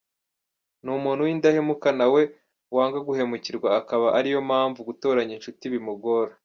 Ni umuntu w’indahemuka nawe wanga guhemukirwa akaba ariyo mpamvu gutoranya inshuti bimugora.